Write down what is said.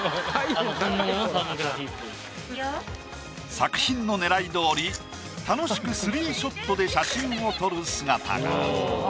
作品の狙いどおり楽しくスリーショットで写真を撮る姿が。